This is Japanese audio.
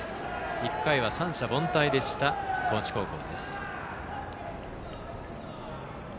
１回は三者凡退だった高知高校。